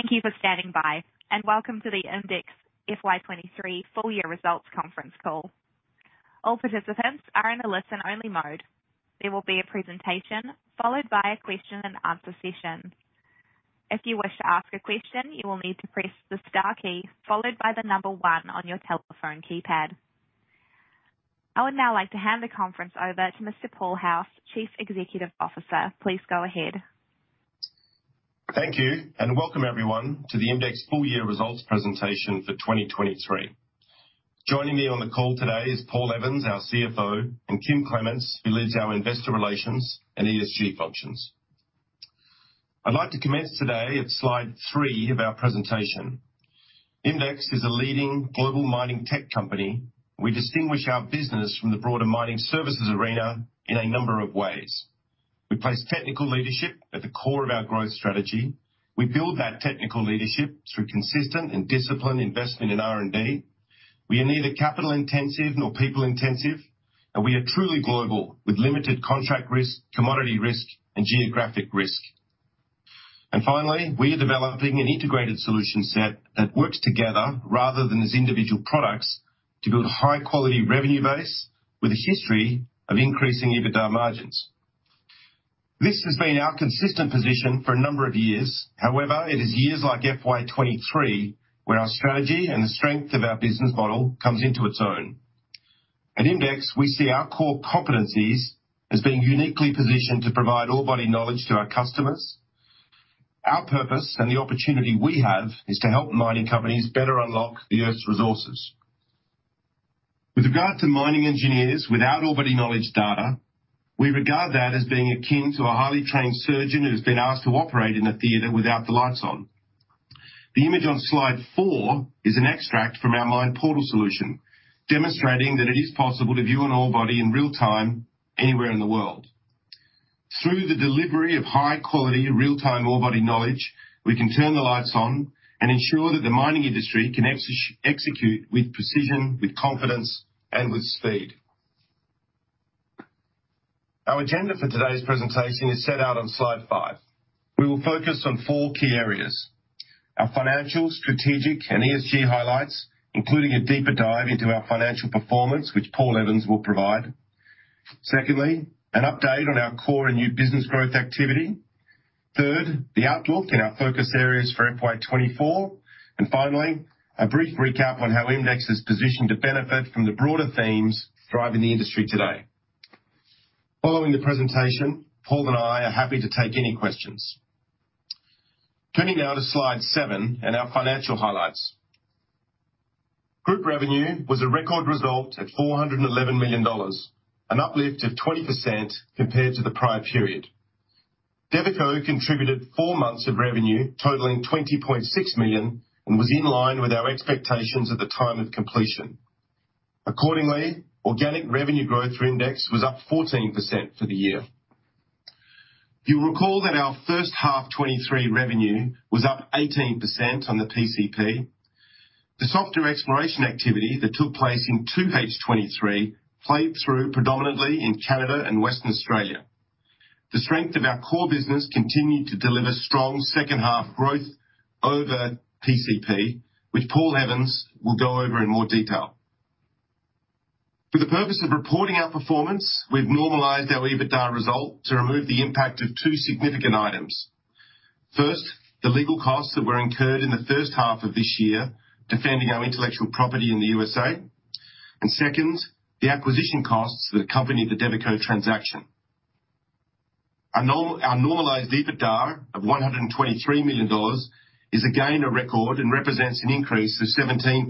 Thank you for standing by, and welcome to the IMDEX FY 2023 Full Year Results Conference Call. All participants are in a listen-only mode. There will be a presentation followed by a question and answer session. If you wish to ask a question, you will need to press the star key followed by the number one on your telephone keypad. I would now like to hand the conference over to Mr. Paul House, Chief Executive Officer. Please go ahead. Thank you, and welcome everyone to the IMDEX Full Year Results presentation for 2023. Joining me on the call today is Paul Evans, our CFO, and Kim Clements, who leads our Investor Relations and ESG functions. I'd like to commence today at Slide 3 of our presentation. IMDEX is a leading global mining tech company. We distinguish our business from the broader mining services arena in a number of ways. We place technical leadership at the core of our growth strategy. We build that technical leadership through consistent and disciplined investment in R&D. We are neither capital intensive nor people intensive, and we are truly global, with limited contract risk, commodity risk, and geographic risk. Finally, we are developing an integrated solution set that works together rather than as individual products to build a high-quality revenue base with a history of increasing EBITDA margins. This has been our consistent position for a number of years. However, it is years like FY 2023, where our strategy and the strength of our business model comes into its own. At IMDEX, we see our core competencies as being uniquely positioned to provide orebody knowledge to our customers. Our purpose and the opportunity we have is to help mining companies better unlock the Earth's resources. With regard to mining engineers, without orebody knowledge data, we regard that as being akin to a highly trained surgeon who has been asked to operate in a theater without the lights on. The image on Slide 4 is an extract from our MinePortal solution, demonstrating that it is possible to view an orebody in real time anywhere in the world. Through the delivery of high-quality, real-time orebody knowledge, we can turn the lights on and ensure that the mining industry can execute with precision, with confidence, and with speed. Our agenda for today's presentation is set out on Slide 5. We will focus on four key areas: Our financial, strategic, and ESG highlights, including a deeper dive into our financial performance, which Paul Evans will provide. Secondly, an update on our core and new business growth activity. Third, the outlook in our focus areas for FY 2024. Finally, a brief recap on how IMDEX is positioned to benefit from the broader themes driving the industry today. Following the presentation, Paul and I are happy to take any questions. Turning now to Slide 7 and our financial highlights. Group revenue was a record result at 411 million dollars, an uplift of 20% compared to the prior period. Devico contributed four months of revenue, totaling 20.6 million, and was in line with our expectations at the time of completion. Accordingly, organic revenue growth for IMDEX was up 14% for the year. You'll recall that our first half 2023 revenue was up 18% on the PCP. The softer exploration activity that took place in Q2 2023 played through predominantly in Canada and Western Australia. The strength of our core business continued to deliver strong second half growth over PCP, which Paul Evans will go over in more detail. For the purpose of reporting our performance, we've normalized our EBITDA result to remove the impact of two significant items. First, the legal costs that were incurred in the first half of this year, defending our intellectual property in the USA. Second, the acquisition costs that accompany the Devico transaction. Our normalized EBITDA of 123 million dollars is again a record and represents an increase of 17%.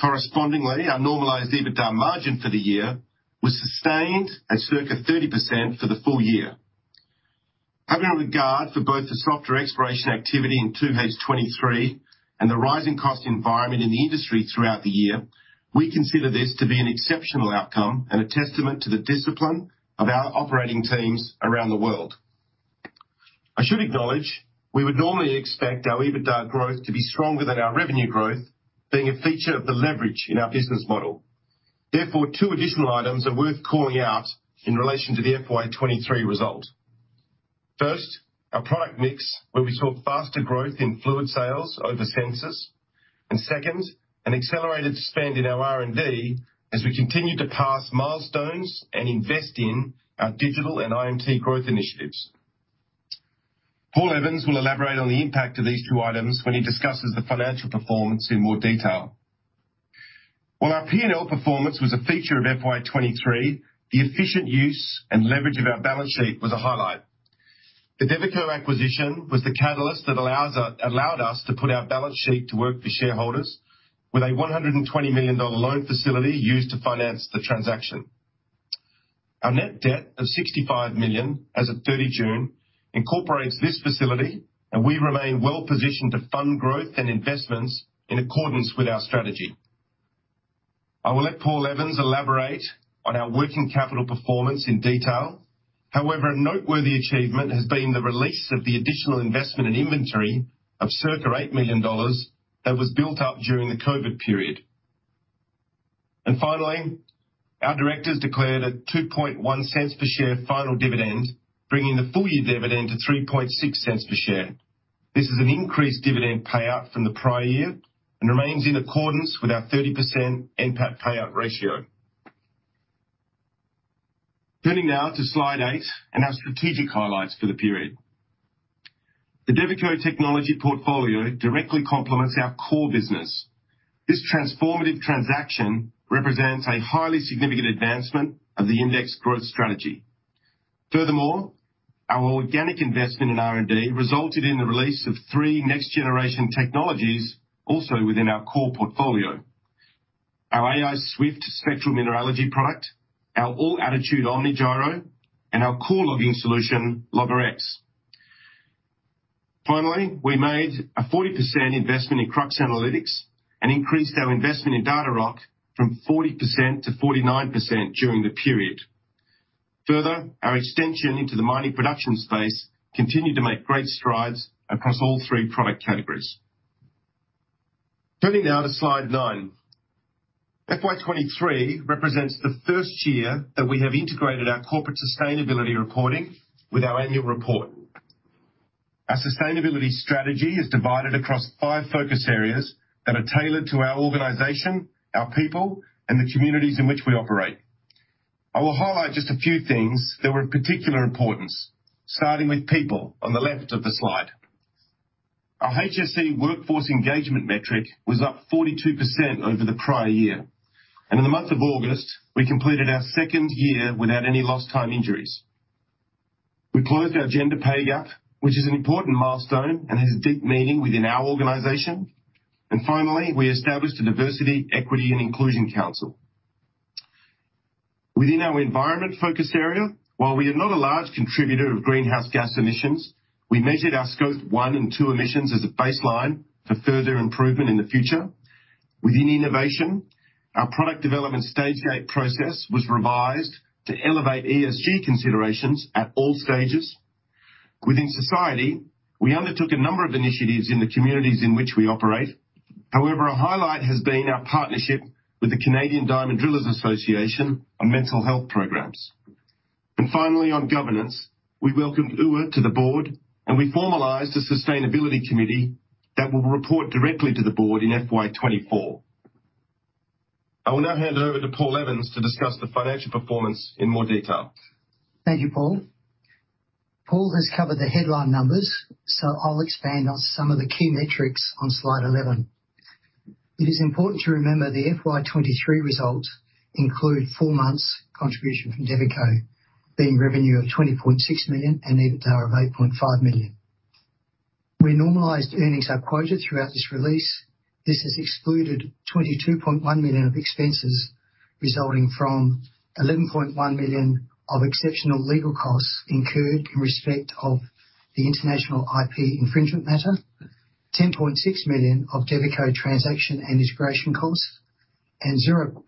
Correspondingly, our normalized EBITDA margin for the year was sustained at circa 30% for the full year. Having a regard for both the softer exploration activity in Q2 2023 and the rising cost environment in the industry throughout the year, we consider this to be an exceptional outcome and a testament to the discipline of our operating teams around the world. I should acknowledge we would normally expect our EBITDA growth to be stronger than our revenue growth, being a feature of the leverage in our business model. Therefore, two additional items are worth calling out in relation to the FY 2023 result. First, our product mix, where we saw faster growth in fluid sales over sensors. Second, an accelerated spend in our R&D as we continue to pass milestones and invest in our digital and IMT growth initiatives. Paul Evans will elaborate on the impact of these two items when he discusses the financial performance in more detail. While our P&L performance was a feature of FY 2023, the efficient use and leverage of our balance sheet was a highlight. The Devico acquisition was the catalyst that allowed us to put our balance sheet to work for shareholders with an 120 million dollar loan facility used to finance the transaction. Our net debt of 65 million as of 30 June incorporates this facility, and we remain well positioned to fund growth and investments in accordance with our strategy. I will let Paul Evans elaborate on our working capital performance in detail. However, a noteworthy achievement has been the release of the additional investment in inventory of circa 8 million dollars that was built up during the COVID period. Finally, our directors declared a 2.1 cents per share final dividend, bringing the full year dividend to 3.6 cents per share. This is an increased dividend payout from the prior year and remains in accordance with our 30% NPAT payout ratio. Turning now to Slide 8 and our strategic highlights for the period. The Devico technology portfolio directly complements our core business. This transformative transaction represents a highly significant advancement of the IMDEX growth strategy. Furthermore, our organic investment in R&D resulted in the release of three next-generation technologies, also within our core portfolio. Our aiSWIFT spectral mineralogy product, our all-attitude OMNI Gyro, and our core logging solution, LOGRx. Finally, we made a 40% investment in Krux Analytics and increased our investment in Datarock from 40% to 49% during the period. Further, our extension into the mining production space continued to make great strides across all three product categories. Turning now to Slide 9. FY 2023 represents the first year that we have integrated our corporate sustainability reporting with our annual report. Our sustainability strategy is divided across five focus areas that are tailored to our organization, our people and the communities in which we operate. I will highlight just a few things that were of particular importance, starting with people on the left of the slide. Our HSE workforce engagement metric was up 42% over the prior year, and in the month of August, we completed our second year without any lost time injuries. We closed our gender pay gap, which is an important milestone and has a deep meaning within our organization. Finally, we established a diversity, equity, and inclusion council. Within our environment focus area, while we are not a large contributor of greenhouse gas emissions, we measured our Scope 1 and 2 emissions as a baseline for further improvement in the future. Within innovation, our product development stage gate process was revised to elevate ESG considerations at all stages. Within society, we undertook a number of initiatives in the communities in which we operate. However, a highlight has been our partnership with the Canadian Diamond Drillers Association on mental health programs. Finally, on governance, we welcomed Uwe to the board, and we formalized a sustainability committee that will report directly to the board in FY 2024. I will now hand it over to Paul Evans to discuss the financial performance in more detail. Thank you, Paul. Paul has covered the headline numbers, I'll expand on some of the key metrics on Slide 11. It is important to remember the FY 2023 results include four months contribution from Devico, being revenue of 20.6 million and EBITDA of 8.5 million. We normalized earnings are quoted throughout this release. This has excluded 22.1 million of expenses, resulting from 11.1 million of exceptional legal costs incurred in respect of the international IP infringement matter. 10.6 million of Devico transaction and integration costs, and 0.4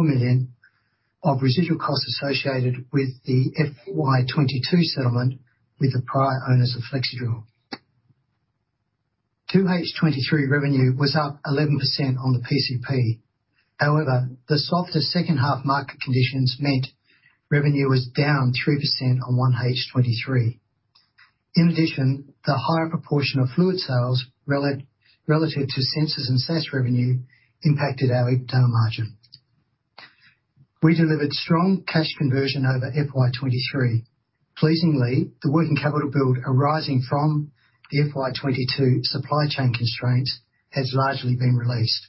million of residual costs associated with the FY 2022 settlement with the prior owners of FlexiDrill. Q2 2023 revenue was up 11% on the PCP. However, the softer second half market conditions meant revenue was down 3% on Q1 2023. In addition, the higher proportion of fluid sales relative to sensors and SaaS revenue impacted our EBITDA margin. We delivered strong cash conversion over FY 2023. Pleasingly, the working capital build arising from the FY 2022 supply chain constraints has largely been released.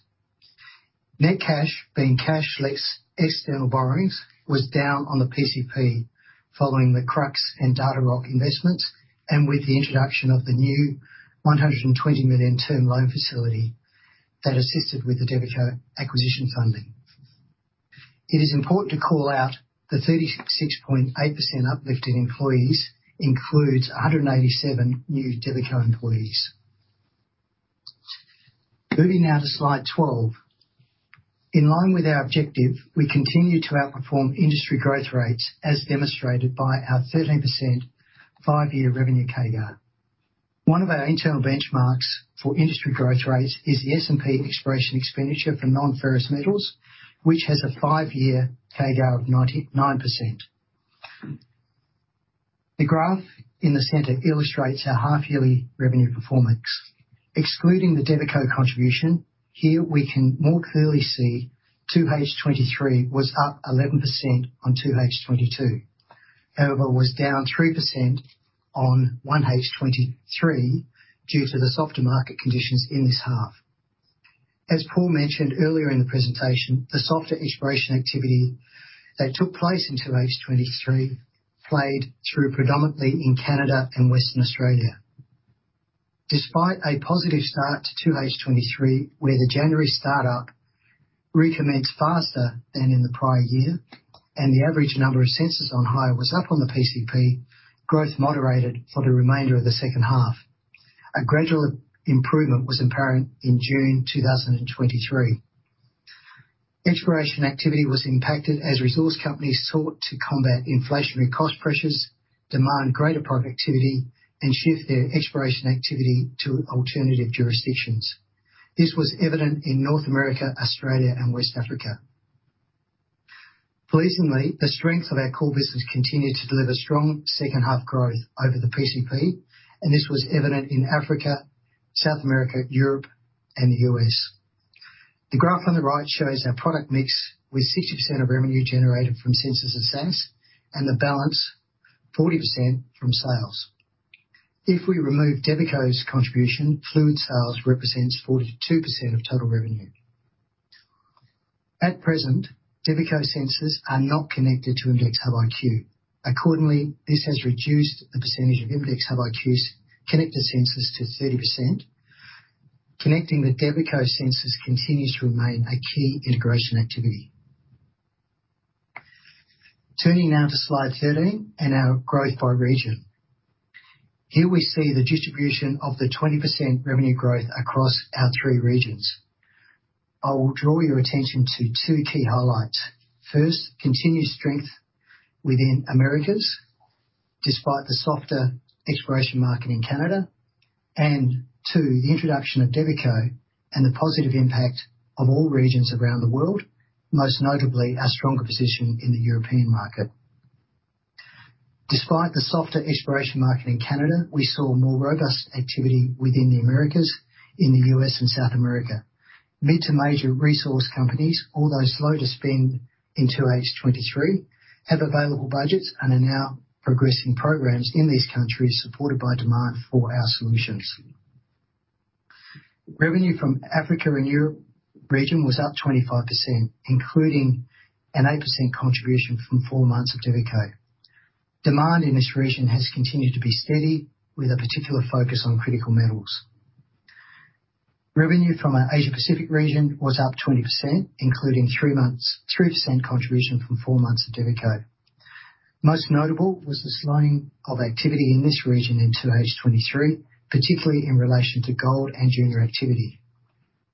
Net cash, being cash less external borrowings, was down on the PCP following the Krux and Datarock investments and with the introduction of the new 120 million term loan facility that assisted with the Devico acquisition funding. It is important to call out the 36.8% uplift in employees includes 187 new Devico employees. Moving now to Slide 12. In line with our objective, we continue to outperform industry growth rates, as demonstrated by our 13% five-year revenue CAGR. One of our internal benchmarks for industry growth rates is the S&P exploration expenditure for non-ferrous metals, which has a five-year CAGR of 99%. The graph in the center illustrates our half-yearly revenue performance. Excluding the Devico contribution, here we can more clearly see Q2 2023 was up 11% on Q2 2022. However, was down 3% on Q1 2023 due to the softer market conditions in this half. As Paul mentioned earlier in the presentation, the softer exploration activity that took place in Q2 2023 played through predominantly in Canada and Western Australia. Despite a positive start to Q2 2023, where the January start up recommenced faster than in the prior year, and the average number of sensors on hire was up on the PCP, growth moderated for the remainder of the second half. A gradual improvement was apparent in June 2023. Exploration activity was impacted as resource companies sought to combat inflationary cost pressures, demand greater productivity, and shift their exploration activity to alternative jurisdictions. This was evident in North America, Australia, and West Africa. Pleasingly, the strength of our core business continued to deliver strong second half growth over the PCP, and this was evident in Africa, South America, Europe, and the U.S. The graph on the right shows our product mix, with 60% of revenue generated from sensors and SaaS, and the balance, 40%, from sales. If we remove Devico's contribution, fluid sales represents 42% of total revenue. At present, Devico sensors are not connected to IMDEXHUB-IQ. Accordingly, this has reduced the percentage of IMDEXHUB-IQ's connected sensors to 30%. Connecting the Devico sensors continues to remain a key integration activity. Turning now to Slide 13 and our growth by region. Here we see the distribution of the 20% revenue growth across our three regions. I will draw your attention to two key highlights. First, continued strength within the Americas, despite the softer exploration market in Canada, and two, the introduction of Devico and the positive impact on all regions around the world, most notably our stronger position in the European market. Despite the softer exploration market in Canada, we saw more robust activity within the Americas, in the U.S. and South America. Mid- to major resource companies, although slow to spend into FY 2023, have available budgets and are now progressing programs in these countries, supported by demand for our solutions. Revenue from Africa and Europe region was up 25%, including an 8% contribution from four months of Devico. Demand in this region has continued to be steady, with a particular focus on critical metals. Revenue from our Asia Pacific region was up 20%, including 3% contribution from four months of Devico. Most notable was the slowing of activity in this region in Q2 2023, particularly in relation to gold and junior activity.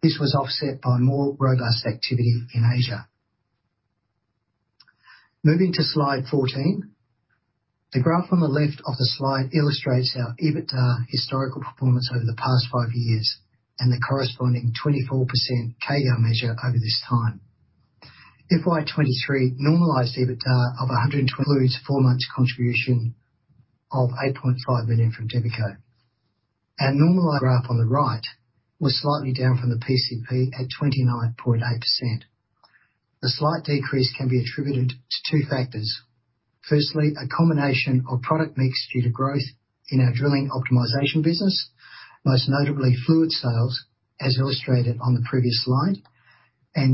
This was offset by more robust activity in Asia. Moving to Slide 14. The graph on the left of the slide illustrates our EBITDA historical performance over the past five years, and the corresponding 24% CAGR measure over this time. FY 2023 normalized EBITDA of 120 includes four months contribution of 8.5 million from Devico. Our normalized graph on the right was slightly down from the PCP at 29.8%. The slight decrease can be attributed to two factors. Firstly, a combination of product mix due to growth in our drilling optimization business, most notably fluid sales, as illustrated on the previous slide.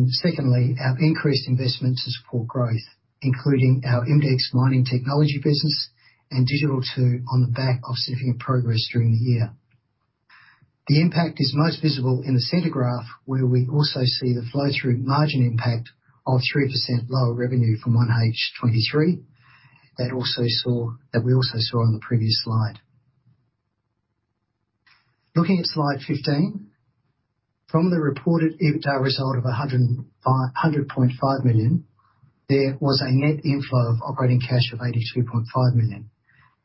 Secondly, our increased investments to support growth, including our IMDEX mining technology business and Digital 2.0 on the back of significant progress during the year. The impact is most visible in the center graph, where we also see the flow-through margin impact of 3% lower revenue from Q1 2023, that we also saw on the previous slide. Looking at Slide 15. From the reported EBITDA result of 105.5 million, there was a net inflow of operating cash of 82.5 million.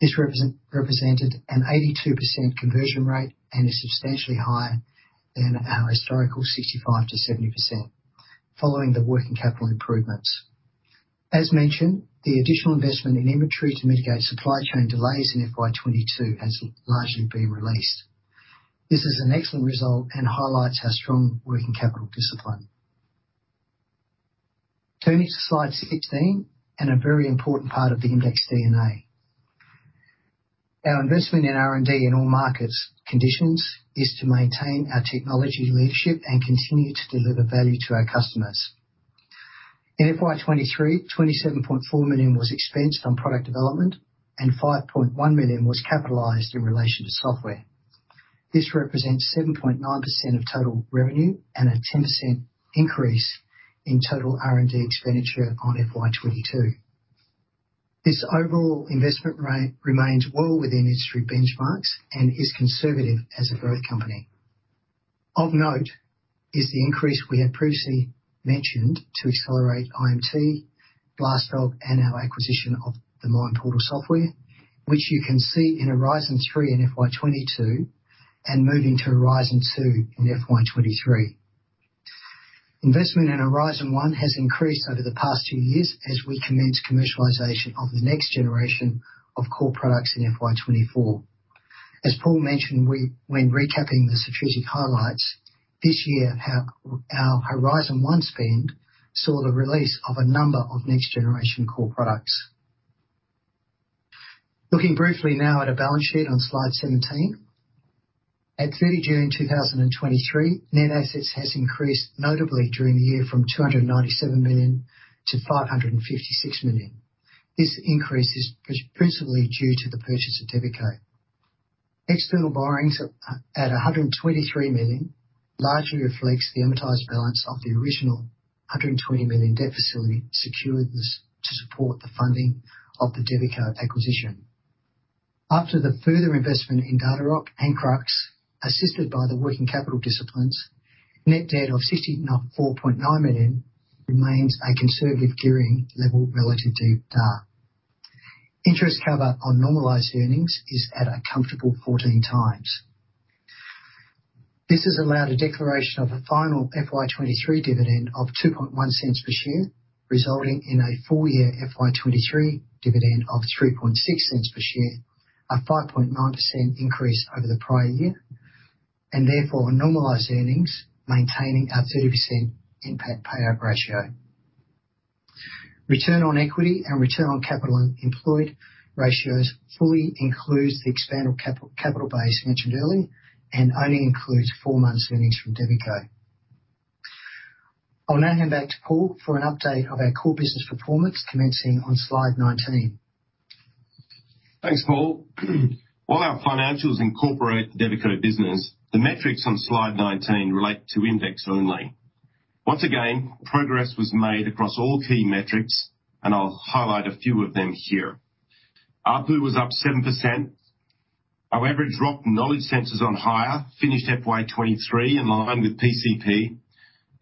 This represented an 82% conversion rate and is substantially higher than our historical 65% to 70% following the working capital improvements. As mentioned, the additional investment in inventory to mitigate supply chain delays in FY 2022 has largely been released. This is an excellent result and highlights our strong working capital discipline. Turning to Slide 16, a very important part of the IMDEX DNA. Our investment in R&D in all market conditions is to maintain our technology leadership and continue to deliver value to our customers. In FY 2023, 27.4 million was expensed on product development and 5.1 million was capitalized in relation to software. This represents 7.9% of total revenue and a 10% increase in total R&D expenditure on FY 2022. This overall investment rate remains well within industry benchmarks and is conservative as a growth company. Of note is the increase we have previously mentioned to accelerate IMT, BLASTDOG, and our acquisition of the MinePortal software, which you can see in Horizon 3 in FY 2022 and moving to Horizon 2 in FY 2023. Investment in Horizon 1 has increased over the past few years as we commence commercialization of the next generation of core products in FY 2024. As Paul mentioned, when recapping the strategic highlights this year, how Horizon 1 spend saw the release of a number of next-generation core products. Looking briefly now at our balance sheet on Slide 17. At 30 June 2023, net assets has increased notably during the year from 297 million to 556 million. This increase is principally due to the purchase of Devico. External borrowings at 123 million largely reflects the amortized balance of the original 120 million debt facility secured to support the funding of the Devico acquisition. After the further investment in Datarock and Krux, assisted by the working capital disciplines, net debt of 64.9 million remains a conservative gearing level relative to DAR. Interest cover on normalized earnings is at a comfortable 14 times. This has allowed a declaration of a final FY 2023 dividend of 0.021 per share, resulting in a full year FY 2023 dividend of 0.036 per share, a 5.9% increase over the prior year, and therefore normalized earnings, maintaining our 30% impact payout ratio. Return on equity and return on capital employed ratios fully includes the expandable capital base mentioned earlier and only includes four months' earnings from Devico. I'll now hand back to Paul for an update of our core business performance, commencing on Slide 19. Thanks, Paul. While our financials incorporate the Devico business, the metrics on Slide 19 relate to IMDEX only. Once again, progress was made across all key metrics, and I'll highlight a few of them here. ARPU was up 7%. Our average rock knowledge sensors on hire finished FY 2023 in line with PCP.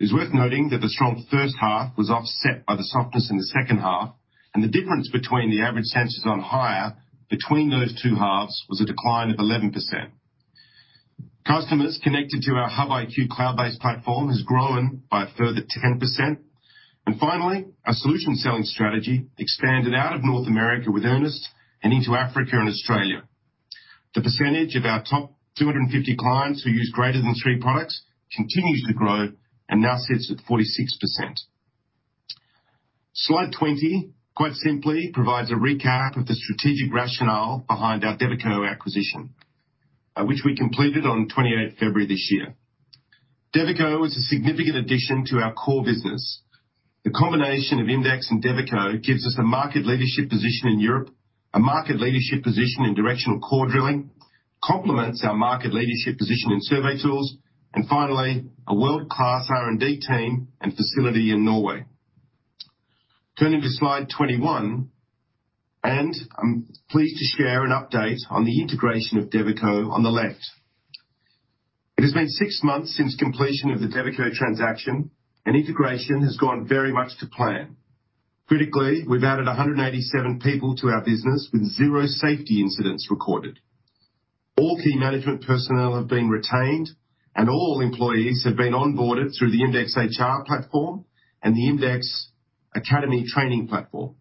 It's worth noting that the strong first half was offset by the softness in the second half, and the difference between the average sensors on hire between those two halves was a decline of 11%. Customers connected to our HUB-IQ cloud-based platform has grown by a further 10%. Finally, our solution selling strategy expanded out of North America with earnest and into Africa and Australia. The percentage of our top 250 clients who use greater than three products continues to grow and now sits at 46%. Slide 20, quite simply, provides a recap of the strategic rationale behind our Devico acquisition, which we completed on 28th February this year. Devico is a significant addition to our core business. The combination of IMDEX and Devico gives us a market leadership position in Europe, a market leadership position in directional core drilling, complements our market leadership position in survey tools, and finally, a world-class R&D team and facility in Norway. Turning to Slide 21, and I'm pleased to share an update on the integration of Devico on the left. It has been six months since completion of the Devico transaction, and integration has gone very much to plan. Critically, we've added 187 people to our business with zero safety incidents recorded. All key management personnel have been retained, and all employees have been onboarded through the IMDEX HR platform and the IMDEX Academy training platform.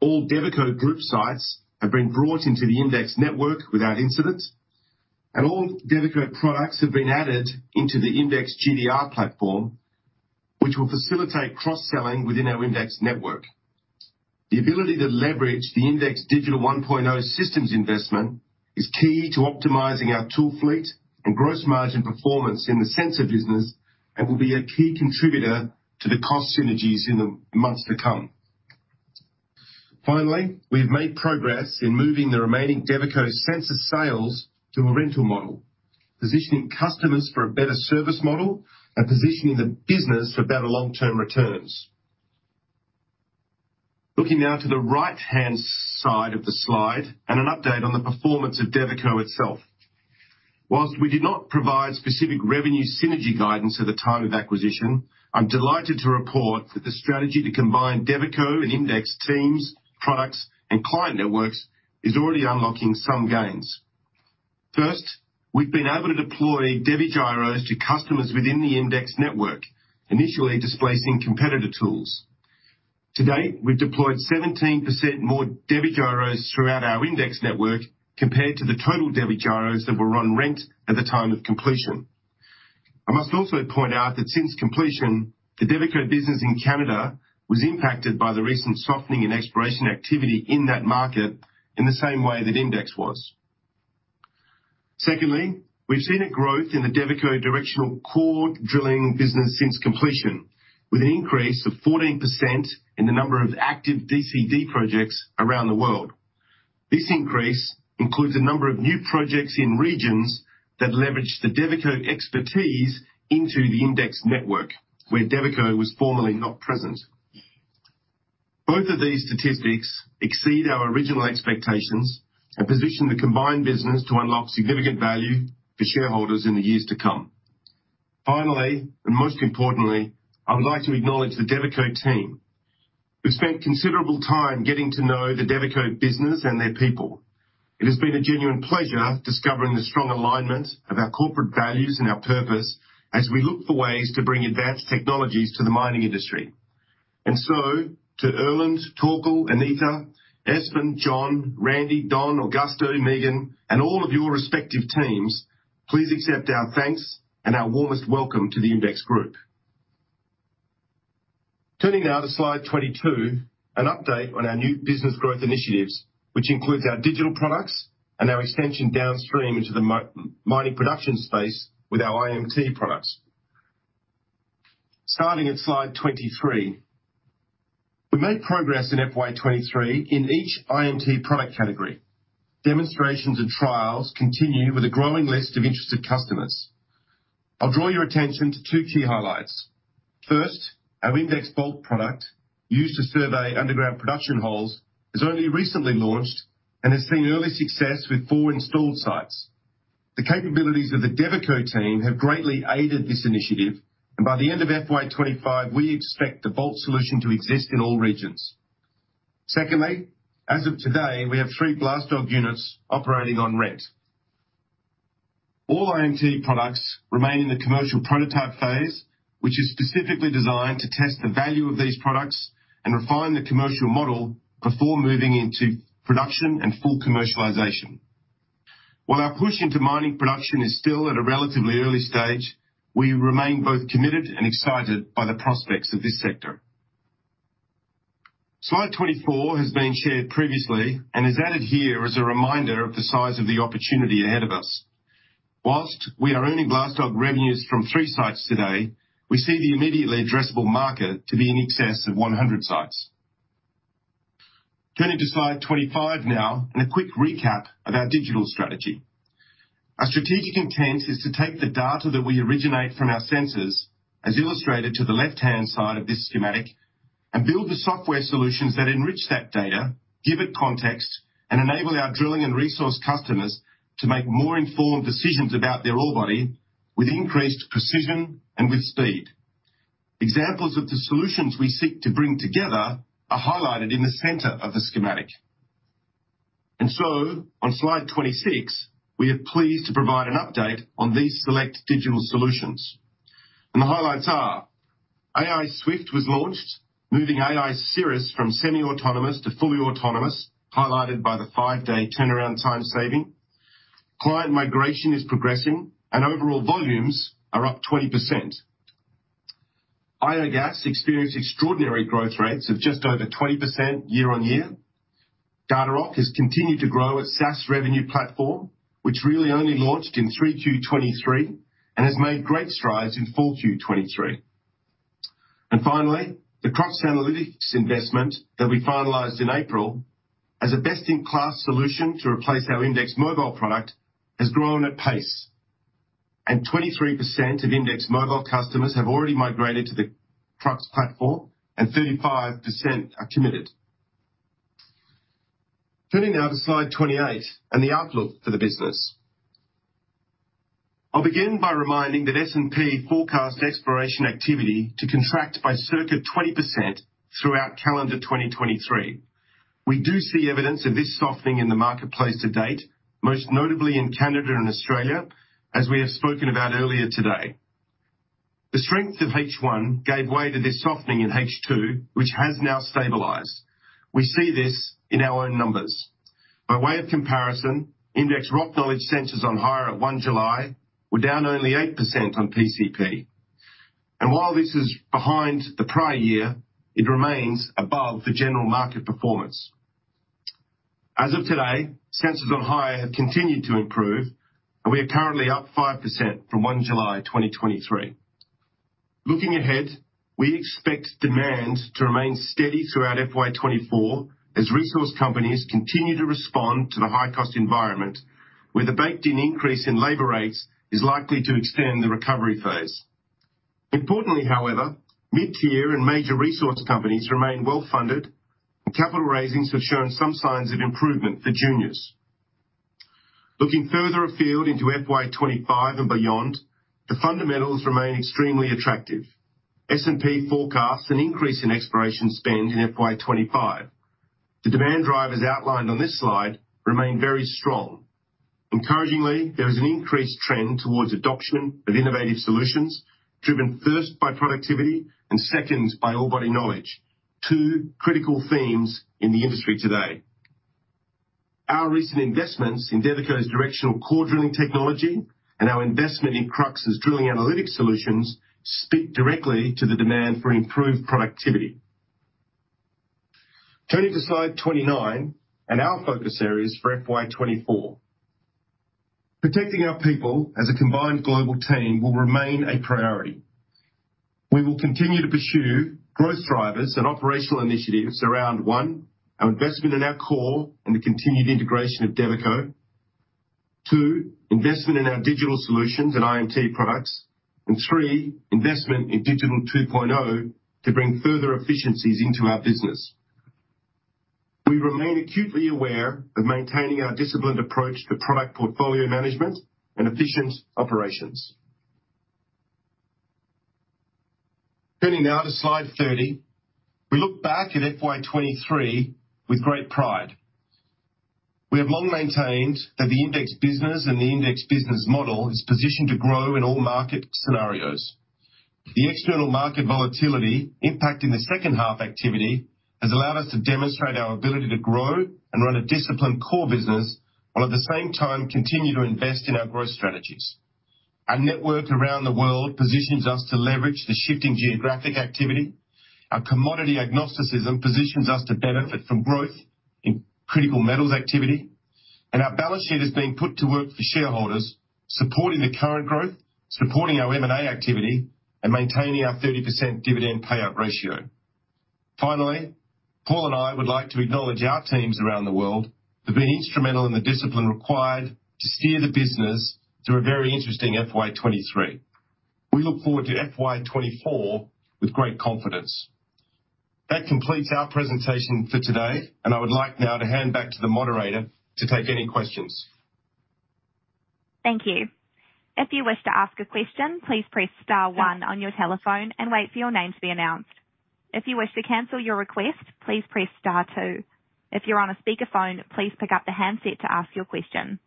All Devico group sites have been brought into the IMDEX network without incident, and all Devico products have been added into the IMDEX GDR platform, which will facilitate cross-selling within our IMDEX network. The ability to leverage the IMDEX Digital 1.0 systems investment is key to optimizing our tool fleet and gross margin performance in the sensor business and will be a key contributor to the cost synergies in the months to come. Finally, we've made progress in moving the remaining Devico sensor sales to a rental model, positioning customers for a better service model and positioning the business for better long-term returns. Looking now to the right-hand side of the slide and an update on the performance of Devico itself. While we did not provide specific revenue synergy guidance at the time of acquisition, I'm delighted to report that the strategy to combine Devico and IMDEX teams, products, and client networks is already unlocking some gains. First, we've been able to deploy DeviGyros to customers within the IMDEX network, initially displacing competitor tools. To date, we've deployed 17% more DeviGyros throughout our IMDEX network compared to the total DeviGyros that were on rent at the time of completion. I must also point out that since completion, the Devico business in Canada was impacted by the recent softening in exploration activity in that market in the same way that IMDEX was. Secondly, we've seen a growth in the Devico directional core drilling business since completion, with an increase of 14% in the number of active DCD projects around the world. This increase includes a number of new projects in regions that leverage the Devico expertise into the IMDEX network, where Devico was formerly not present. Both of these statistics exceed our original expectations and position the combined business to unlock significant value for shareholders in the years to come. Finally, and most importantly, I would like to acknowledge the Devico team, who've spent considerable time getting to know the Devico business and their people. It has been a genuine pleasure discovering the strong alignment of our corporate values and our purpose as we look for ways to bring advanced technologies to the mining industry. To Erlend, Torkel, Anita, Espen, John, Randy, Don, Augusto, Megan, and all of your respective teams, please accept our thanks and our warmest welcome to the IMDEX group. Turning now to Slide 22, an update on our new business growth initiatives, which includes our digital products and our extension downstream into the mining production space with our IMT products. Starting at Slide 23, we made progress in FY 2023 in each IMT product category. Demonstrations and trials continue with a growing list of interested customers. I'll draw your attention to two key highlights. First, our IMDEX BOLT product, used to survey underground production holes, has only recently launched and has seen early success with four installed sites. The capabilities of the Devico team have greatly aided this initiative, and by the end of FY 2025, we expect the BOLT solution to exist in all regions. Secondly, as of today, we have three BLASTDOG units operating on rent. All IMT products remain in the commercial prototype phase, which is specifically designed to test the value of these products and refine the commercial model before moving into production and full commercialization. While our push into mining production is still at a relatively early stage, we remain both committed and excited by the prospects of this sector. Slide 24 has been shared previously and is added here as a reminder of the size of the opportunity ahead of us. While we are earning BLASTDOG revenues from three sites today, we see the immediately addressable market to be in excess of 100 sites. Turning to Slide 25 now, and a quick recap of our digital strategy. Our strategic intent is to take the data that we originate from our sensors, as illustrated to the left-hand side of this schematic, and build the software solutions that enrich that data, give it context, and enable our drilling and resource customers to make more informed decisions about their ore body with increased precision and with speed. Examples of the solutions we seek to bring together are highlighted in the center of the schematic. On Slide 26, we are pleased to provide an update on these select digital solutions and the highlights are: aiSWIFT was launched, moving aiSIRIS from semi-autonomous to fully autonomous, highlighted by the five-day turnaround time saving. Client migration is progressing and overall volumes are up 20%. ioGAS experienced extraordinary growth rates of just over 20% year-on-year. Datarock has continued to grow its SaaS revenue platform, which really only launched in Q3 2023 and has made great strides in Q4 2023. Finally, the Krux Analytics investment that we finalized in April as a best-in-class solution to replace our IMDEX Mobile product, has grown at pace, and 23% of IMDEX Mobile customers have already migrated to the Krux platform and 35% are committed. Turning now to Slide 28 and the outlook for the business. I'll begin by reminding that S&P forecast exploration activity to contract by circa 20% throughout calendar 2023. We do see evidence of this softening in the marketplace to date, most notably in Canada and Australia, as we have spoken about earlier today. The strength of Q1 gave way to this softening in Q2, which has now stabilized. We see this in our own numbers. By way of comparison, IMDEX Rock Knowledge sensors on hire at 1 July were down only 8% on PCP. While this is behind the prior year, it remains above the general market performance. As of today, sensors on hire have continued to improve, and we are currently up 5% from 1 July 2023. Looking ahead, we expect demand to remain steady throughout FY 2024 as resource companies continue to respond to the high-cost environment, where the baked-in increase in labor rates is likely to extend the recovery phase. Importantly, however, mid-tier and major resource companies remain well funded, and capital raisings have shown some signs of improvement for juniors. Looking further afield into FY 2025 and beyond, the fundamentals remain extremely attractive. S&P forecasts an increase in exploration spend in FY 2025. The demand drivers outlined on this slide remain very strong. Encouragingly, there is an increased trend towards adoption of innovative solutions, driven first by productivity and second by orebody knowledge, two critical themes in the industry today. Our recent investments in Devico's directional core drilling technology and our investment in Krux's drilling analytic solutions speak directly to the demand for improved productivity. Turning to Slide 29 and our focus areas for FY 2024. Protecting our people as a combined global team will remain a priority. We will continue to pursue growth drivers and operational initiatives around, one, our investment in our core and the continued integration of Devico. Two, investment in our digital solutions and IMT products. Three, investment in Digital 2.0 to bring further efficiencies into our business. We remain acutely aware of maintaining our disciplined approach to product portfolio management and efficient operations. Turning now to Slide 30, we look back at FY 2023 with great pride. We have long maintained that the IMDEX business and the IMDEX business model is positioned to grow in all market scenarios. The external market volatility impacting the second half activity has allowed us to demonstrate our ability to grow and run a disciplined core business, while at the same time continue to invest in our growth strategies. Our network around the world positions us to leverage the shifting geographic activity. Our commodity agnosticism positions us to benefit from growth in critical metals activity, and our balance sheet is being put to work for shareholders, supporting the current growth, supporting our M&A activity, and maintaining our 30% dividend payout ratio. Finally, Paul and I would like to acknowledge our teams around the world for being instrumental in the discipline required to steer the business through a very interesting FY 2023. We look forward to FY 2024 with great confidence. That completes our presentation for today, and I would like now to hand back to the moderator to take any questions. Thank you. If you wish to ask a question, please press star one on your telephone and wait for your name to be announced. If you wish to cancel your request, please press star two. If you're on a speakerphone, please pick up the handset to ask your question.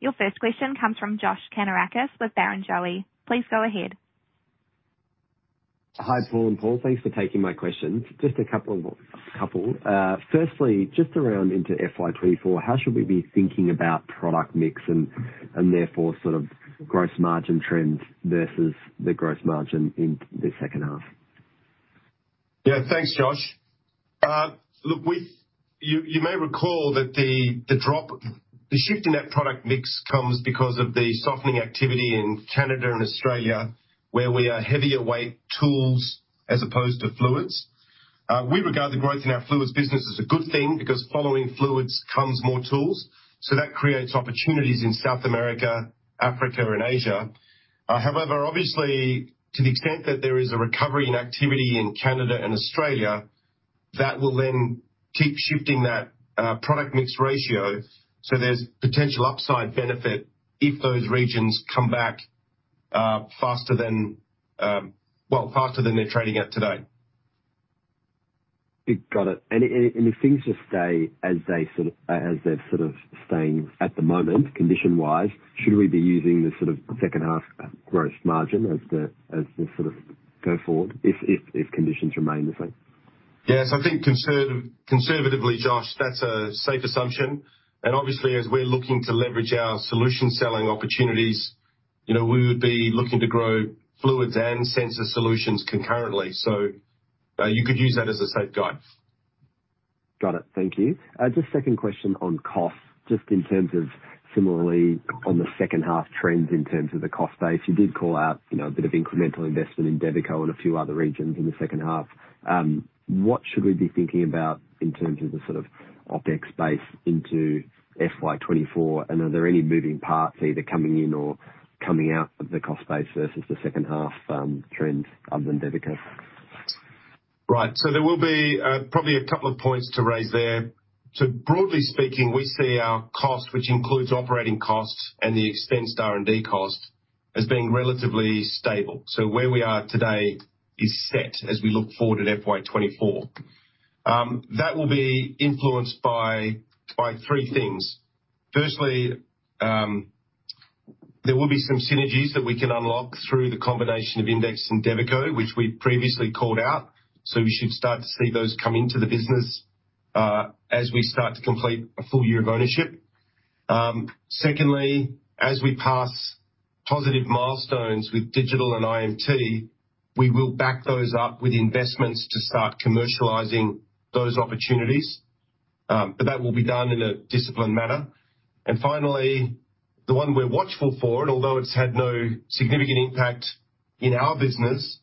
Your first question comes from Josh Kannourakis with Barrenjoey. Please go ahead. Hi, Paul and Paul. Thanks for taking my questions. Just a couple. Firstly, just around into FY 2024, how should we be thinking about product mix and, and therefore gross margin trends versus the gross margin in the second half? Yes, thanks, Josh. Look, you may recall that the shift in that product mix comes because of the softening activity in Canada and Australia, where we are heavier weight tools as opposed to fluids. We regard the growth in our fluids business as a good thing because following fluids comes more tools, so that creates opportunities in South America, Africa, and Asia. However, obviously, to the extent that there is a recovery in activity in Canada and Australia, that will then keep shifting that product mix ratio. There's potential upside benefit if those regions come back faster than they're trading at today. Got it. If things just stay as they're staying at the moment, condition-wise, should we be using the second half gross margin as the, as the go-forward, if conditions remain the same? Yes, I think conservatively, Josh, that's a safe assumption. Obviously, as we're looking to leverage our solution selling opportunities, you know, we would be looking to grow fluids and sensor solutions concurrently. You could use that as a safe guide. Got it. Thank you. Just second question on costs, just in terms of similarly on the second half trends in terms of the cost base, you did call out, a bit of incremental investment in Devico and a few other regions in the second half. What should we be thinking about in terms of the OpEx base into FY 2024? Are there any moving parts either coming in or coming out of the cost base versus the second half trends other than Devico? Right. There will be probably a couple of points to raise there. Broadly speaking, we see our cost, which includes operating costs and the extended R&D cost, as being relatively stable. Where we are today is set as we look forward at FY 2024. That will be influenced by three things. Firstly, there will be some synergies that we can unlock through the combination of IMDEX and Devico, which we previously called out, so we should start to see those come into the business as we start to complete a full year of ownership. Secondly, as we pass positive milestones with digital and IMT, we will back those up with investments to start commercializing those opportunities, but that will be done in a disciplined manner. Finally, the one we're watchful for, although it's had no significant impact in our business,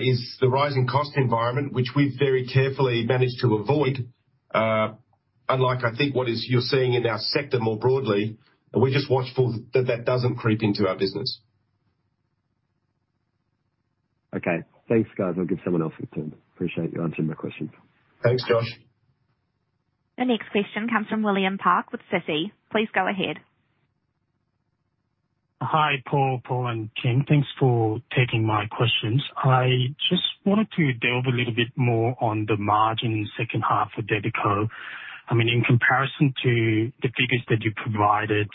is the rising cost environment, which we've very carefully managed to avoid, unlike, I think, what you're seeing in our sector more broadly, we're just watchful that that doesn't creep into our business. Okay. Thanks, guys. I'll give someone else a turn. Appreciate you answering my questions. Thanks, Josh. The next question comes from William Park with Citi. Please go ahead. Hi, Paul, Paul, and Kim. Thanks for taking my questions. I just wanted to delve a little bit more on the margin in the second half of Devico. I mean, in comparison to the figures that you provided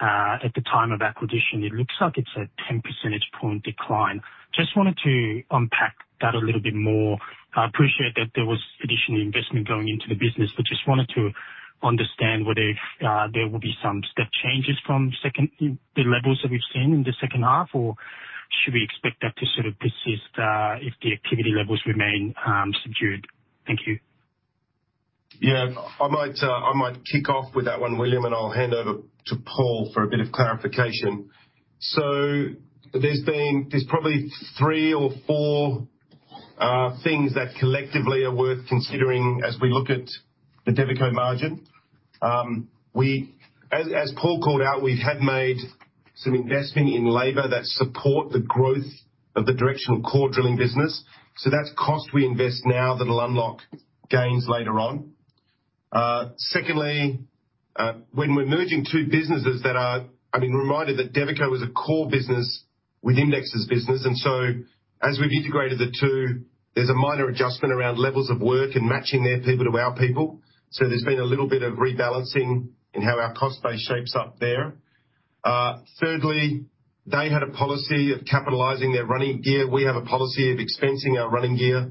at the time of acquisition, it looks like it's a 10 percentage point decline. Just wanted to unpack that a little bit more. I appreciate that there was additional investment going into the business, but just wanted to understand whether there will be some step changes from the levels that we've seen in the second half, or should we expect that to sort of persist if the activity levels remain subdued? Thank you. Yes, I might kick off with that one, William, and I'll hand over to Paul for a bit of clarification. There's probably three or four things that collectively are worth considering as we look at the Devico margin. As Paul called out, we had made some investment in labor that support the growth of the directional core drilling business. That's cost we invest now that'll unlock gains later on. Secondly, when we're merging two businesses that are... I mean, reminder that Devico is a core business with IMDEX's business, and so as we've integrated the two, there's a minor adjustment around levels of work and matching their people to our people. There's been a little bit of rebalancing in how our cost base shapes up there. Thirdly, they had a policy of capitalizing their running gear. We have a policy of expensing our running gear,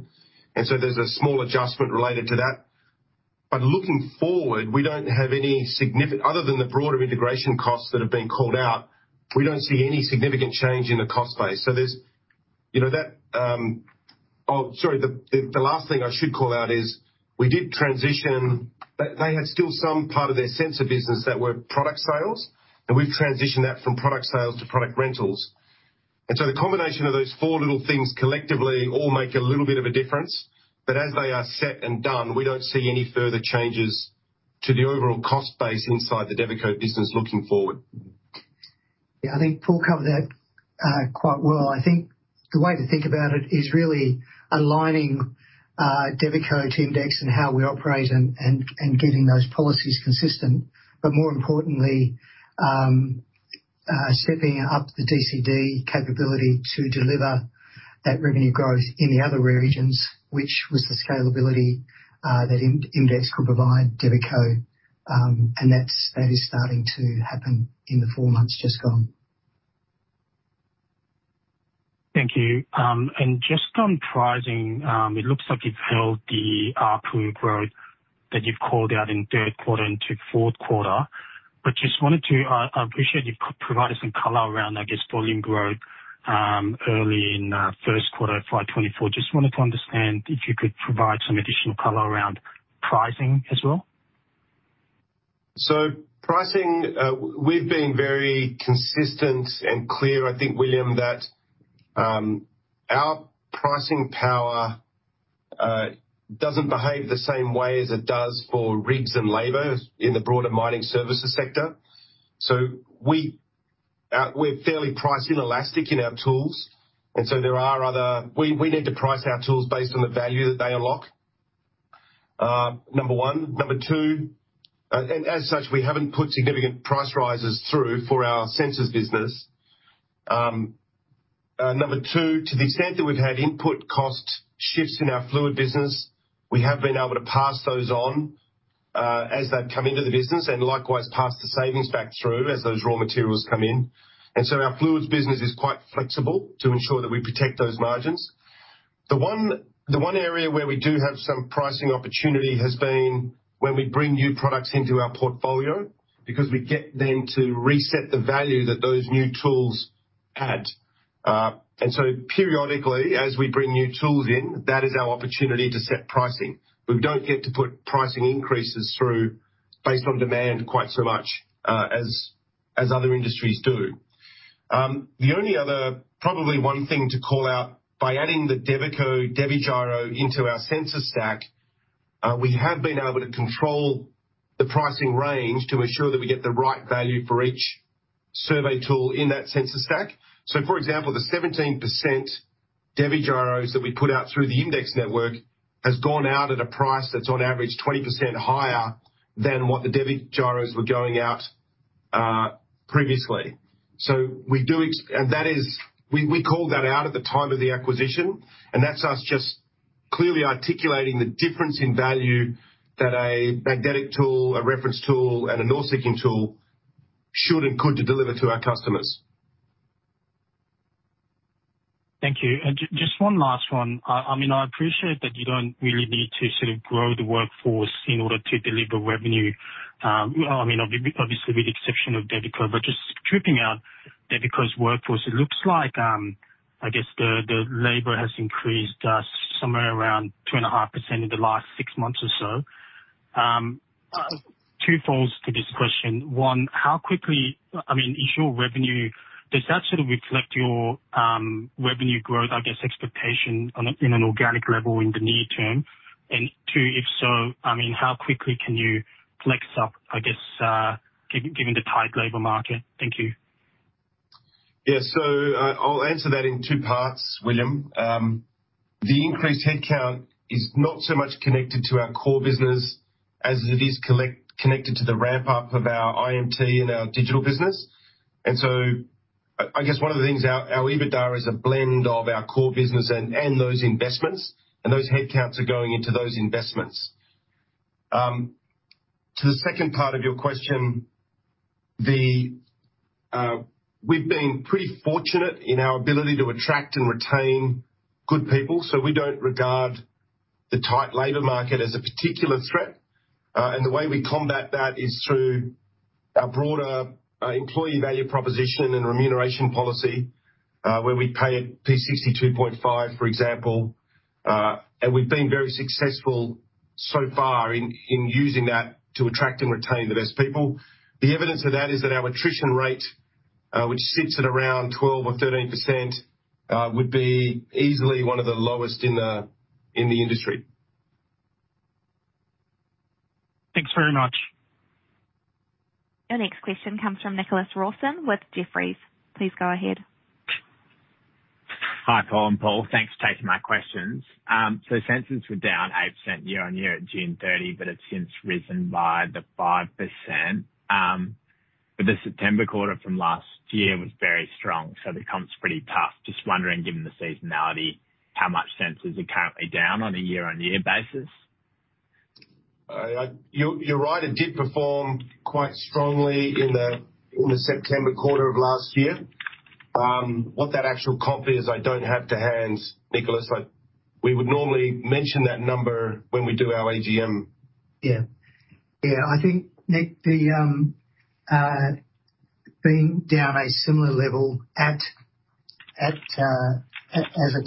and so there's a small adjustment related to that. But looking forward, we don't have any significant other than the broader integration costs that have been called out, we don't see any significant change in the cost base. Sorry, the last thing I should call out is we did transition. They had still some part of their sensor business that were product sales, and we've transitioned that from product sales to product rentals. The combination of those four little things collectively all make a little bit of a difference. But as they are set and done, we don't see any further changes to the overall cost base inside the Devico business looking forward. Yes, I think Paul covered that quite well. I think the way to think about it is really aligning Devico to IMDEX and how we operate and getting those policies consistent, but more importantly, stepping up the DCD capability to deliver that revenue growth in the other regions, which was the scalability that IMDEX could provide Devico. That is starting to happen in the four months just gone. Thank you. Just on pricing, it looks like you've held the approved growth that you've called out in Q3 into Q4. But just wanted to appreciate you provide us some color around volume growth early in Q1 of 2024. Just wanted to understand if you could provide some additional color around pricing as well. Pricing, we've been very consistent and clear, I think, William, that our pricing power doesn't behave the same way as it does for rigs and labor in the broader mining services sector. We're fairly price inelastic in our tools, and so we need to price our tools based on the value that they unlock, number one. Number two, and as such, we haven't put significant price rises through for our sensors business. Number two, to the extent that we've had input cost shifts in our fluid business, we have been able to pass those on, as they've come into the business, and likewise pass the savings back through as those raw materials come in. Our fluids business is quite flexible to ensure that we protect those margins. The one area where we do have some pricing opportunity has been when we bring new products into our portfolio, because we get then to reset the value that those new tools add. Periodically, as we bring new tools in, that is our opportunity to set pricing. We don't get to put pricing increases through based on demand quite so much as other industries do. The only other probably one thing to call out, by adding the Devico DeviGyro into our sensor stack, we have been able to control the pricing range to ensure that we get the right value for each survey tool in that sensor stack. For example, the 17% DeviGyros that we put out through the IMDEX network has gone out at a price that's on average 20% higher than what the DeviGyros were going out, previously. We called that out at the time of the acquisition, and that's us just clearly articulating the difference in value that a magnetic tool, a reference tool, and a north-seeking tool should and could deliver to our customers. Thank you. Just one last one. I appreciate that you don't really need to grow the workforce in order to deliver revenue. Obviously, with the exception of Devico, but just stripping out Devico's workforce, it looks like, I guess the labor has increased somewhere around 2.5% in the last six months or so. Twofold to this question. One, does that sort of reflect your revenue growth, I guess, expectation in an organic level in the near term? Two, if so, how quickly can you flex up given the tight labor market? Thank you. Yes. I'll answer that in two parts, William. The increased headcount is not so much connected to our core business as it is connected to the ramp up of our IMT and our digital business. I guess one of the things our EBITDA is a blend of our core business and those investments, and those headcounts are going into those investments. To the second part of your question, we've been pretty fortunate in our ability to attract and retain good people, so we don't regard the tight labor market as a particular threat. The way we combat that is through our broader employee value proposition and remuneration policy, where we pay a P62.5, for example. We've been very successful so far in using that to attract and retain the best people. The evidence of that is that our attrition rate, which sits at around 12% or 13%, would be easily one of the lowest in the industry. Thanks very much. Your next question comes from Nicholas Rawson with Jefferies. Please go ahead. Hi, Paul and Paul. Thanks for taking my questions. Sensors were down 8% year-on-year at June 30, but it's since risen by the 5%. But the September quarter from last year was very strong, so the comp's pretty tough. Just wondering, given the seasonality, how much sensors are currently down on a year-on-year basis? You're right, it did perform quite strongly in the September quarter of last year. What that actual comp is, I don't have to hand, Nicholas. We would normally mention that number when we do our AGM. Yes. I think, Nick, the being down a similar level as a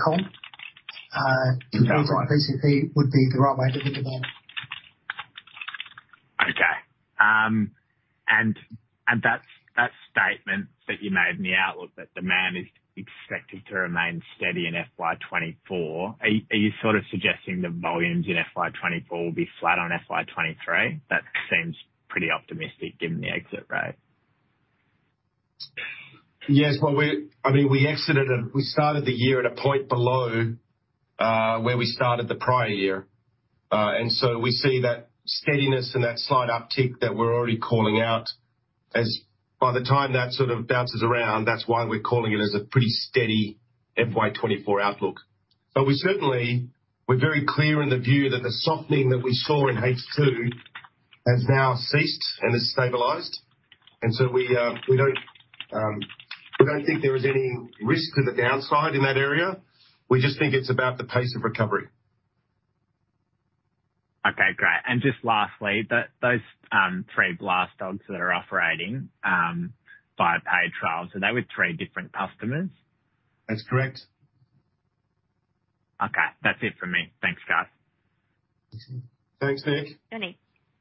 comp, Sounds right. PCP would be the right way to look at that. That statement that you made in the outlook, that demand is expected to remain steady in FY 2024, are you suggesting that volumes in FY 2024 will be flat on FY 2023? That seems pretty optimistic given the exit rate. Yes, well, we started the year at a point below where we started the prior year. We see that steadiness and that slight uptick that we're already calling out as by the time that sort of bounces around, that's why we're calling it as a pretty steady FY 2024 outlook. But certainly, we're very clear in the view that the softening that we saw in Q2 has now ceased and has stabilized. We don't think there is any risk to the downside in that area. We just think it's about the pace of recovery. Okay, great. Just lastly, those three BLASTDOGs that are operating via paid trials, are they with three different customers? That's correct. Okay, that's it for me. Thanks, guys. Thanks, Nick.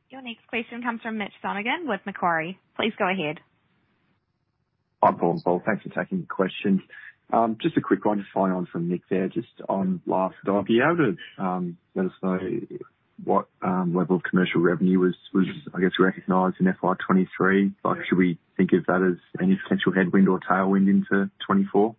Your next question comes from Mitch Sonogan with Macquarie. Please go ahead. Hi, Paul and Paul, thanks for taking the questions. Just a quick one to follow on from Nick there, just on BLASTDOG. Are you able to let us know what level of commercial revenue was recognized in FY 2023? Like, should we think of that as any potential headwind or tailwind into 2024?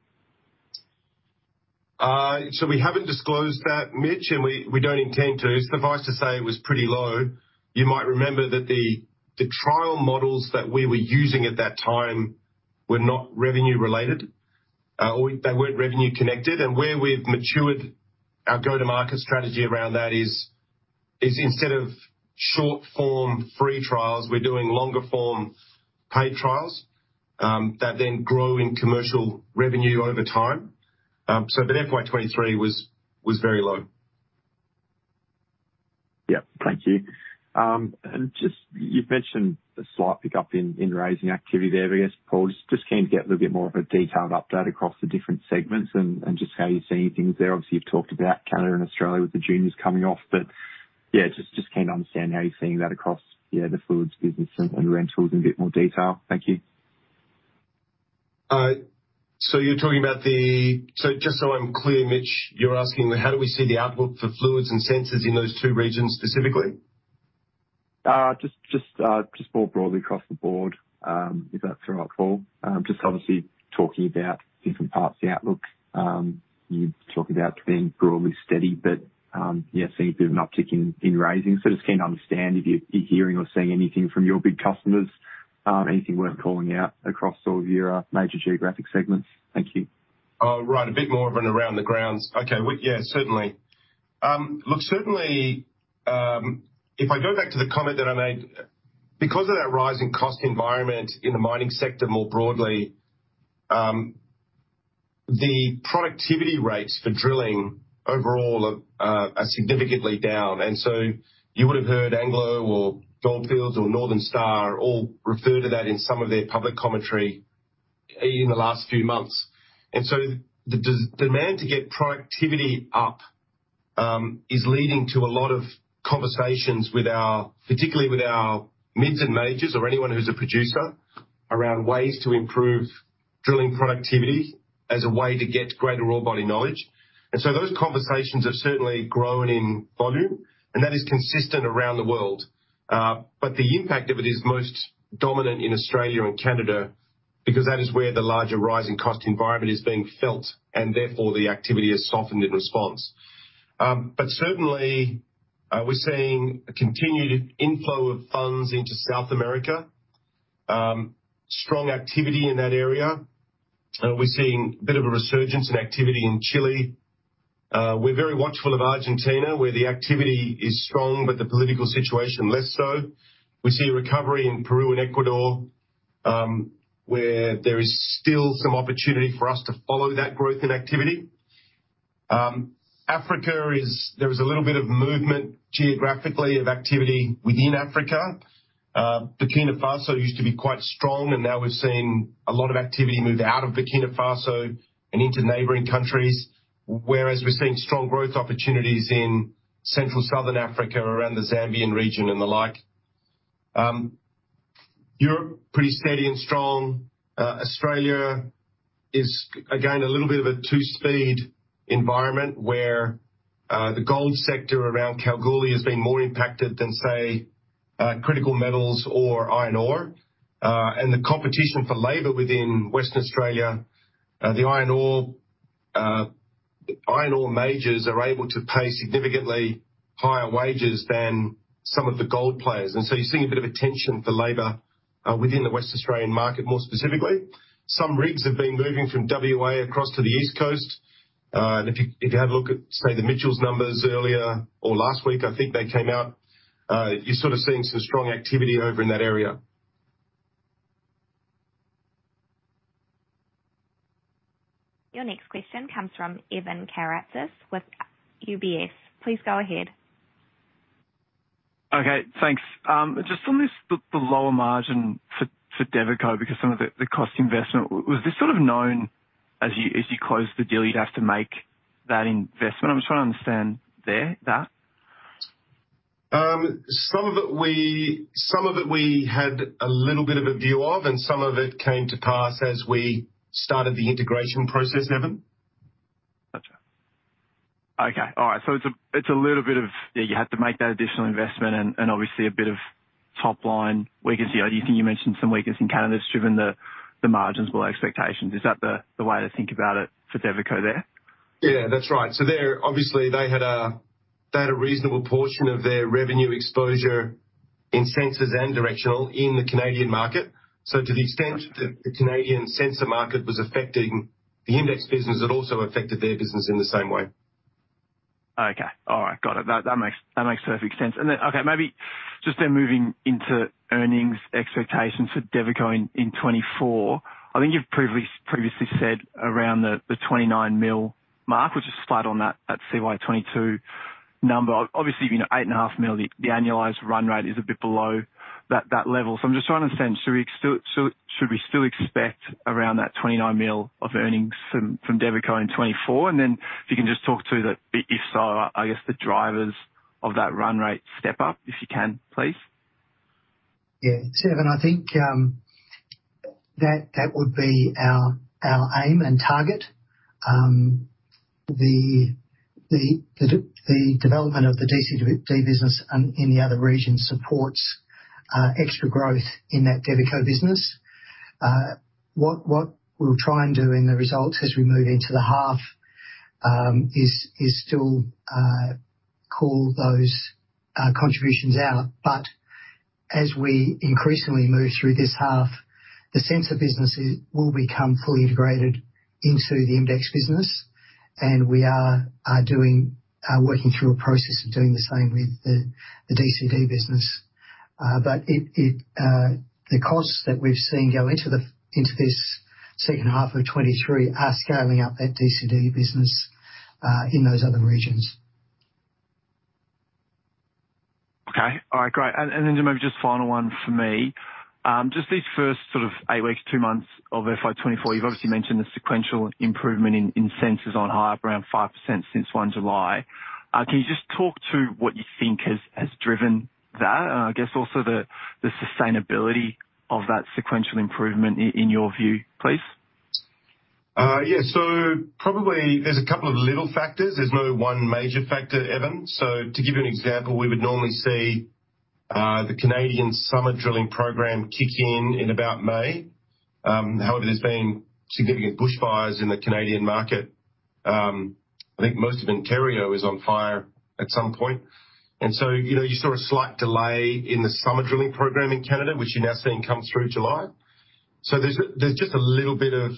We haven't disclosed that, Mitch, and we don't intend to. Suffice to say it was pretty low. You might remember that the trial models that we were using at that time were not revenue related, or they weren't revenue connected and where we've matured our go-to-market strategy around that is instead of short-form free trials, we're doing longer form paid trials that then grow in commercial revenue over time. But FY 2023 was very low. Yes. Thank you. Just you've mentioned a slight pickup in raising activity there, but I guess, Paul, just keen to get a little bit more of a detailed update across the different segments and just how you're seeing things there. Obviously, you've talked about Canada and Australia with the juniors coming off, but just keen to understand how you're seeing that across the fluids business and rentals in a bit more detail. Thank you. Just so I'm clear, Mitch, you're asking how do we see the outlook for fluids and sensors in those two regions specifically? Just more broadly across the board, if that's all right, Paul. Just obviously talking about different parts of the outlook. You talk about being broadly steady, but seeing a bit of an uptick in raising. Just keen to understand if you're hearing or seeing anything from your big customers, anything worth calling out across all of your major geographic segments. Thank you. Right. A bit more of an around the grounds. Okay. Well, yes, certainly. Look, certainly, if I go back to the comment that I made, because of that rising cost environment in the mining sector, more broadly, the productivity rates for drilling overall are, are significantly down. And so you would have heard Anglo or Gold Fields or Northern Star all refer to that in some of their public commentary in the last few months. And so the demand to get productivity up is leading to a lot of conversations with our, particularly with our mids and majors or anyone who's a producer, around ways to improve drilling productivity as a way to get greater orebody knowledge. And so those conversations have certainly grown in volume, and that is consistent around the world. But the impact of it is most dominant in Australia and Canada because that is where the larger rise in cost environment is being felt, and therefore the activity has softened in response. But certainly, we're seeing a continued inflow of funds into South America. Strong activity in that area. We're seeing a bit of a resurgence in activity in Chile. We're very watchful of Argentina, where the activity is strong, but the political situation less so. We see a recovery in Peru and Ecuador, where there is still some opportunity for us to follow that growth in activity. There is a little bit of movement geographically of activity within Africa. Burkina Faso used to be quite strong, and now we're seeing a lot of activity move out of Burkina Faso and into neighboring countries, whereas we're seeing strong growth opportunities in central southern Africa, around the Zambian region and the like. Europe, pretty steady and strong. Australia is again, a little bit of a two-speed environment where, the gold sector around Kalgoorlie has been more impacted than, say, critical metals or iron ore. The competition for labor within Western Australia, the iron ore majors are able to pay significantly higher wages than some of the gold players. You're seeing a bit of a tension for labor, within the West Australian market, more specifically. Some rigs have been moving from WA across to the East Coast. If you had a look at, say, the Mitchells numbers earlier or last week, I think they came out, you're seeing some strong activity over in that area. Your next question comes from Evan Karatzas with UBS. Please go ahead. Okay, thanks. Just on this, the lower margin for Devico, because some of the cost investment, was this known as you close the deal, you'd have to make that investment? I'm just trying to understand there, that. Some of it we had a little bit of a view of, and some of it came to pass as we started the integration process, Evan. Okay. All right. It's a little bit of, yes, you had to make that additional investment and, and obviously a bit of top line weakness. I do think you mentioned some weakness in Canada that's driven the margins below expectations. Is that the way to think about it for Devico there? Yes, that's right. Obviously, they had a reasonable portion of their revenue exposure in sensors and directional in the Canadian market. To the extent that the Canadian sensor market was affecting the IMDEX business, it also affected their business in the same way. Okay. All right. Got it. That makes perfect sense. Then, okay, maybe just then moving into earnings expectations for Devico in 2024. I think you've previously said around the 29 million mark, which is flat on that CY 2022 number. Obviously, 8.5 million, the annualized run rate is a bit below that level. I'm just trying to understand, should we still expect around that 29 million of earnings from Devico in 2024? Then if you can just talk to the... If so, I guess the drivers of that run rate step up, if you can, please. Yes. Evan, I think that would be our aim and target. The development of the DCD business and in the other regions supports extra growth in that Devico business. What we'll try and do in the results as we move into the half is still call those contributions out. But as we increasingly move through this half, the sensor business will become fully integrated into the IMDEX business, and we are working through a process of doing the same with the DCD business. But the costs that we've seen go into this second half of 2023 are scaling up that DCD business in those other regions. Okay. All right, great. Then maybe just final one for me. Just these first eight weeks, two months of FY 2024, you've obviously mentioned the sequential improvement in sensors on hire up around 5% since 1 July. Can you just talk to what you think has driven that? I guess also the sustainability of that sequential improvement in your view, please. Yes. Probably there's a couple of little factors. There's no one major factor, Evan. To give you an example, we would normally see the Canadian summer drilling program kick in in about May. However, there's been significant bushfires in the Canadian market. I think most of Ontario is on fire at some point, and you saw a slight delay in the summer drilling program in Canada, which you're now seeing come through July. There's just a little bit of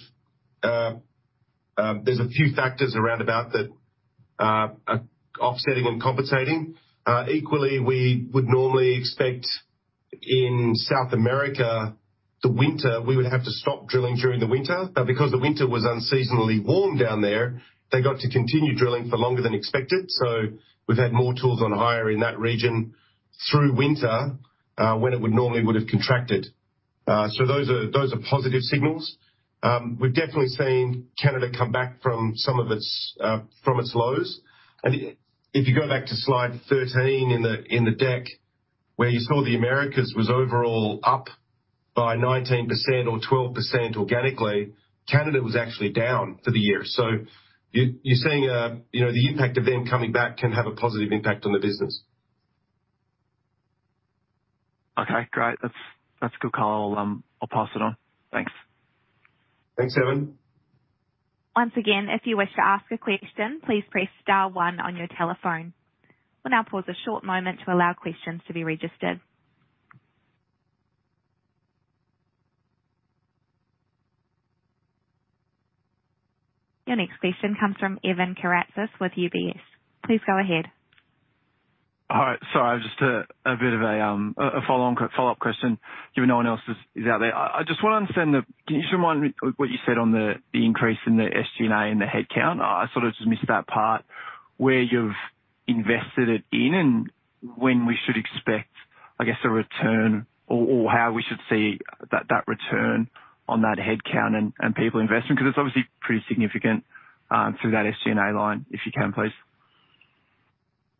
a few factors around about that are offsetting and compensating. Equally, we would normally expect in South America the winter; we would have to stop drilling during the winter. But because the winter was unseasonably warm down there, they got to continue drilling for longer than expected. We've had more tools on hire in that region through winter, when it would normally have contracted. Those are positive signals. We've definitely seen Canada come back from some of its lows. If you go back to Slide 13 in the deck, where you saw the Americas was overall up by 19% or 12% organically, Canada was actually down for the year. You're seeing the impact of them coming back can have a positive impact on the business. Okay, great. That's good call. I'll pass it on. Thanks. Thanks, Evan. Once again, if you wish to ask a question, please press star one on your telephone. We'll now pause a short moment to allow questions to be registered. Your next question comes from Evan Karatzas with UBS. Please go ahead. All right. Sorry, just a bit of a follow-up question, given no one else is out there. I just want to understand, can you just remind me what you said on the increase in the SG&A and the headcount? I just missed that part, where you've invested it in and when we should expect a return or how we should see that return on that headcount and people investment, because it's obviously pretty significant through that SG&A line. If you can, please.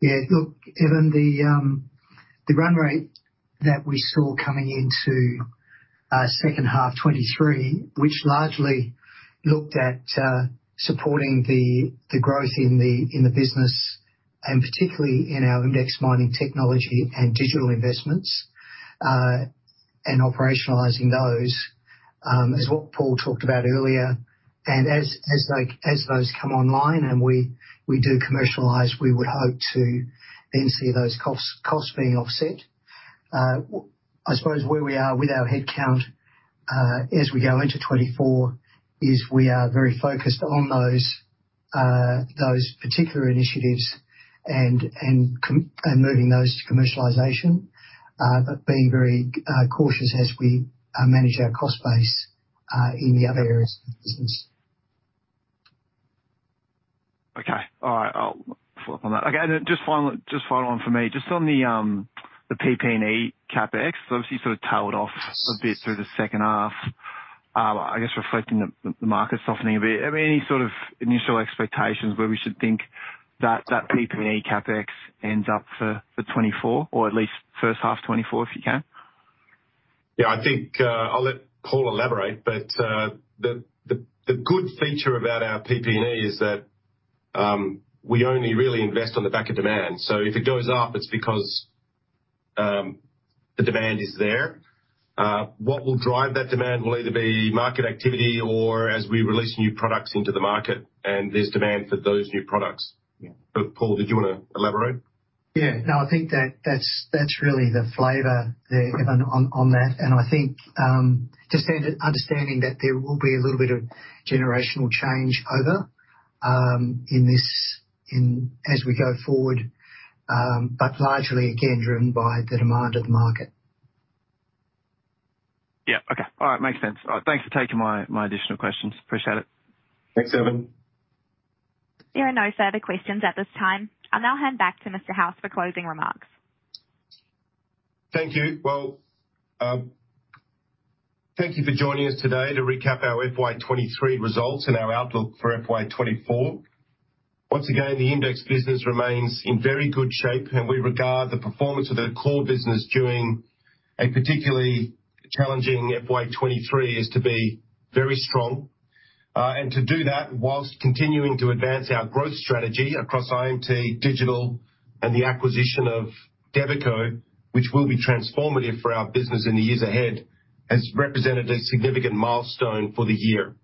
Yes. Look, Evan, the run rate that we saw coming into second half 2023, which largely looked at supporting the growth in the business, and particularly in our IMDEX Mining Technology and digital investments, and operationalizing those, is what Paul talked about earlier. As those come online and we do commercialize, we would hope to then see those costs being offset. I suppose where we are with our headcount, as we go into 2024, is we are very focused on those particular initiatives and moving those to commercialization, but being very cautious as we manage our cost base in the other areas of the business. Okay. All right, I'll follow up on that. Okay. Then just one final on for me, just on the PP&E CapEx, obviously tailed off a bit through the second half, I guess reflecting the market softening a bit. Any initial expectations where we should think that, that PP&E CapEx ends up for 2024, or at least first half 2024, if you can? Yes, I think, I'll let Paul elaborate, but, the good feature about our PP&E is that, we only really invest on the back of demand. If it goes up, it's because, the demand is there. What will drive that demand will either be market activity or as we release new products into the market and there's demand for those new products. Yes. But Paul, did you want to elaborate? Yes. I think that's really the flavor there, Evan, on that. I think just understanding that there will be a little bit of generational change over in this as we go forward, but largely again, driven by the demand of the market. Yes. Okay. All right. Makes sense. All right. Thanks for taking my additional questions. Appreciate it. Thanks, Evan. There are no further questions at this time. I'll now hand back to Mr. House for closing remarks. Thank you. Well, thank you for joining us today to recap our FY 2023 results and our outlook for FY 2024. Once again, the IMDEX business remains in very good shape, and we regard the performance of the core business during a particularly challenging FY 2023 as to be very strong. To do that while continuing to advance our growth strategy across IMT digital, and the acquisition of Devico, which will be transformative for our business in the years ahead, has represented a significant milestone for the year.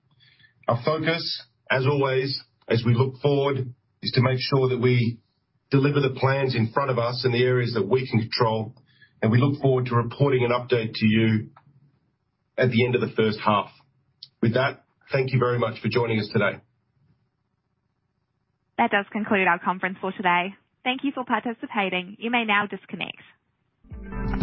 Our focus, as always, as we look forward, is to make sure that we deliver the plans in front of us in the areas that we can control, and we look forward to reporting an update to you at the end of the first half. With that, thank you very much for joining us today. That does conclude our conference for today. Thank you for participating. You may now disconnect.